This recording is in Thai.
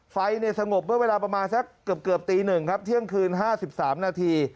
ไฟในสงบเวลาประมาณสักเกือบตีหนึ่งครับเที่ยงคืน๕๓นาที